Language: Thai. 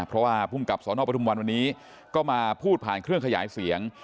เพราะว่าภูมิกับสนปทุมวันวันนี้ก็มาพูดผ่านเครื่องขยายเสียง